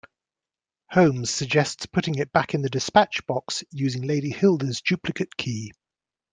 Holmes suggests putting it back in the dispatch box using Lady Hilda's duplicate key.